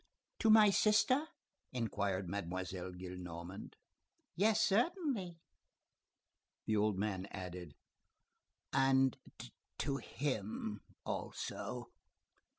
"To my sister?" inquired Mademoiselle Gillenormand. "Yes, certainly." The old man added:— "And to him also."